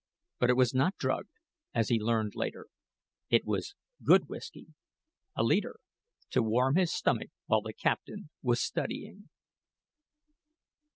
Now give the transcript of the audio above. But it was not drugged, as he learned later. It was good whisky a leader to warm his stomach while the captain was studying.